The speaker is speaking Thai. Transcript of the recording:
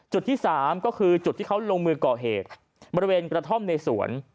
จุดที่๓ก็คือจุดที่เขาลงมือก่อเหตุบริเวณกระท่อมในสวน